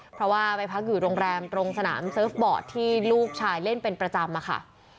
เพราะว่าไปพักอยู่โรงแรมตรงสนามเซิร์ฟบอร์ดที่ลูกชายเล่นเป็นประจำอะค่ะ